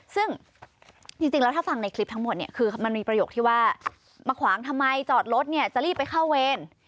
ซึ่งจริงแล้วถ้าฟังในคลิปทั้งหมดเนี่ยคือมันมีประโยคที่ว่ามาขวางทำไมจอดรถเนี่ยจะรีบไปเข้าเวร